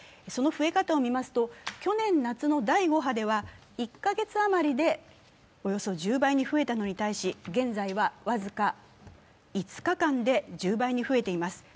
その増え方を見ますと、去年夏の第５波では１カ月余りでおよそ１０倍に増えたのに対し、現在は僅か５日間で１０倍に増えています。